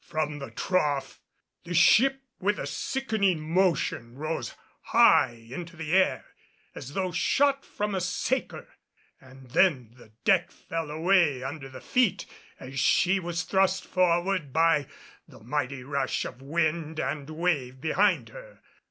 From the trough, the ship with a sickening motion rose high into the air as though shot from a saker; and then the deck fell away under the feet as she was thrust forward by the mighty rush of wind and wave behind her.